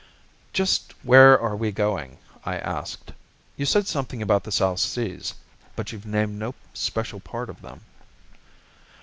"Just where are we going?" I asked. "You said something about the South Seas, but you've named no special part of them."